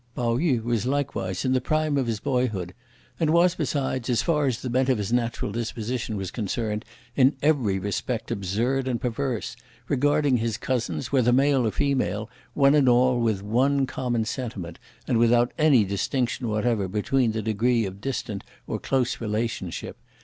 Pao yü was, likewise, in the prime of his boyhood, and was, besides, as far as the bent of his natural disposition was concerned, in every respect absurd and perverse; regarding his cousins, whether male or female, one and all with one common sentiment, and without any distinction whatever between the degrees of distant or close relationship.